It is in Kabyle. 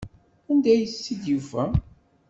Anda ay tt-id-yufa?